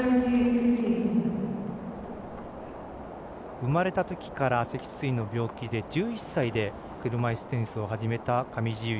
生まれたときから脊椎の病気で１１歳で車いすテニスを始めた上地結衣。